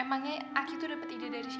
emangnya aki tuh dapet ide dari siapa sih